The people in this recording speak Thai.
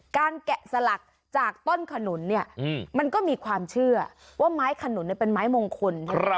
แกะสลักจากต้นขนุนเนี่ยมันก็มีความเชื่อว่าไม้ขนุนเป็นไม้มงคล